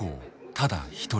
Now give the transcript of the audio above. ただ一人。